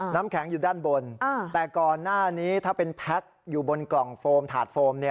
น้ำแข็งอยู่ด้านบนแต่ก่อนหน้านี้ถ้าเป็นแพ็คอยู่บนกล่องโฟมถาดโฟม